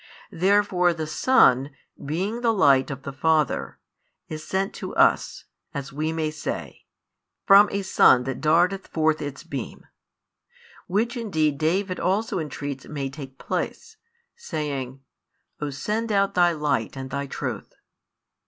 Therefore the Son, being the Light of the Father, is sent to us, as we may say, from a Sun that darteth forth Its Beam; which indeed David also entreats may take place, saying: O send out Thy Light and Thy Truth.